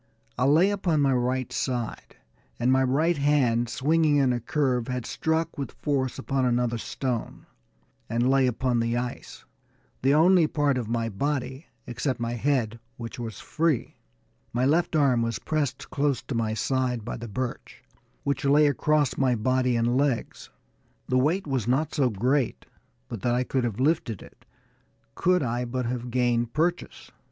I lay upon my right side, and my right hand, swinging in a curve, had struck with force upon another stone, and lay upon the ice, the only part of my body, except my head, which was free. My left arm was pressed close to my side by the birch, which lay across my body and legs. The weight was not so great but that I could have lifted it, could I but have gained purchase.